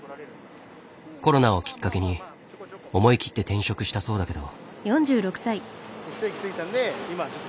コロナをきっかけに思い切って転職したそうだけど。